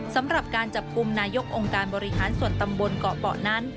สำหรับการจับกลุ่มนายกองค์การบริหารส่วนตำบลเกาะเปาะนั้น